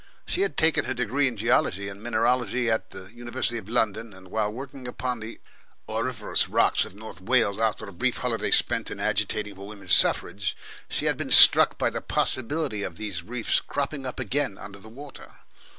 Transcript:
She had taken her degree in geology and mineralogy in the University of London, and while working upon the auriferous rocks of North Wales, after a brief holiday spent in agitating for women's suffrage, she had been struck by the possibility of these reefs cropping up again under the water.